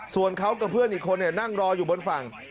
ส่วนเขากับเพื่อนอีกคนนั่งรออยู่บนฝั่ง